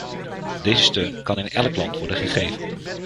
Deze steun kan in elk land worden gegeven.